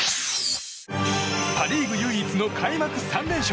パ・リーグ唯一の開幕３連勝